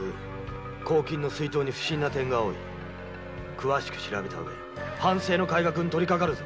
詳しく調べた上藩政の改革に取りかかるぞ！